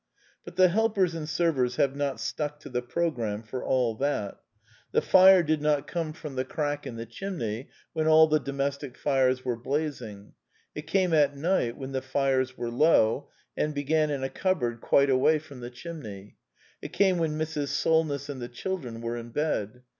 But the helpers and servers have not stuck to the program for all that. The fire did not come The Last Four Plays 143 from the crack in the chimney when all the domestic fires were blazing. It came at night when the fires were low, and began in a cupboard quite away from the chimney. It came when Mrs. Solness and the children were in bed.